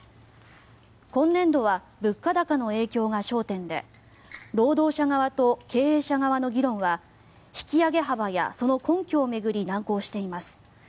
今年度は物価高の影響が焦点で労働者側と経営者側の議論は引き上げ幅やその根拠を巡り難航しています。